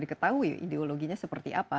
diketahui ideologinya seperti apa